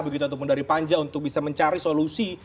begitu ataupun dari panja untuk bisa mencari solusi